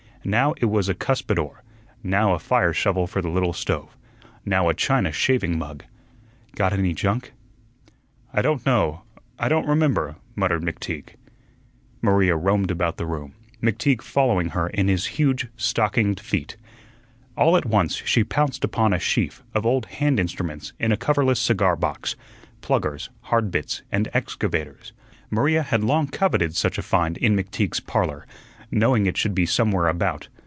Now it was a cuspidor, now a fire shovel for the little stove, now a China shaving mug. "Got any junk?" "I don't know I don't remember," muttered McTeague. Maria roamed about the room, McTeague following her in his huge stockinged feet. All at once she pounced upon a sheaf of old hand instruments in a coverless cigar box, pluggers, hard bits, and excavators. Maria had long coveted such a find in McTeague's "Parlor," knowing it should be somewhere about.